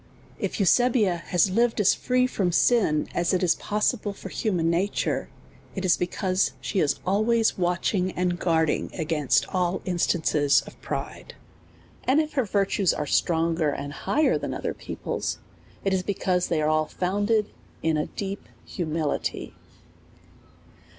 If Eusebia has lived as free from sin as it is possible for human nature, it is because she is always watching 256 A SERIOUS CALL TO A and ^uardin^ against all instances of pride. And if her virtues are stronger and higher than other peo ple's, it is because they are all founded in a deep hu mility.